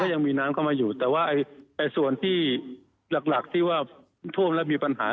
ยังมีน้ำเข้ามาอยู่แต่ว่าส่วนที่หลักที่ว่าท่วมแล้วมีปัญหา